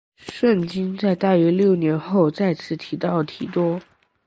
圣经在大约六年后再次提到提多。